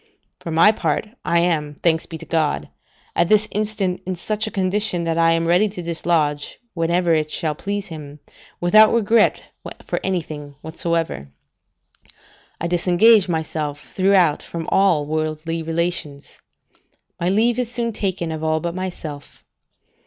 For my part, I am, thanks be to God, at this instant in such a condition, that I am ready to dislodge, whenever it shall please Him, without regret for anything whatsoever. I disengage myself throughout from all worldly relations; my leave is soon taken of all but myself.